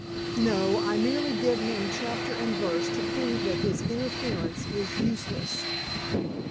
"No. I merely give him chapter and verse to prove that his interference is useless."